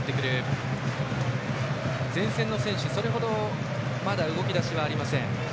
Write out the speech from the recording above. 前線の選手、それほどまだ動き出しはありません。